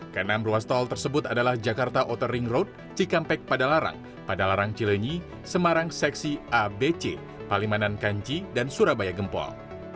ke enam ruas tol tersebut adalah jakarta outer ring road cikampek padalarang padalarang cilenyi semarang seksi abc palimanan kanci dan surabaya gempol